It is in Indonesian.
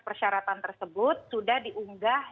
persyaratan tersebut sudah diunggah